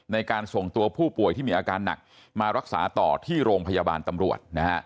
ในการส่งตัวผู้ป่วยที่มีอาการหนักมารักษาต่อที่โรงพยาบาลตำรวจนะฮะ